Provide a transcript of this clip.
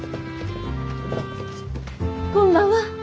こんばんは。